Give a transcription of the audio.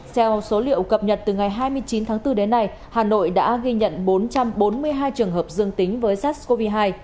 theo số liệu cập nhật từ ngày hai mươi chín tháng bốn đến nay hà nội đã ghi nhận bốn trăm bốn mươi hai trường hợp dương tính với sars cov hai